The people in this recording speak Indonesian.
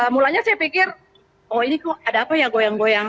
mulanya saya pikir oh ini kok ada apa ya goyang goyang